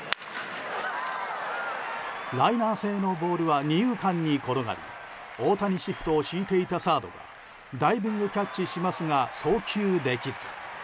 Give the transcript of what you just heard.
ライナー性のボールは二遊間に転がり大谷シフトを敷いていたサードはダイビングキャッチしますが送球できず。